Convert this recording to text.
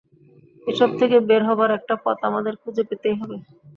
এসব থেকে বের হবার একটা পথ আমাদের খুঁজে পেতেই হবে।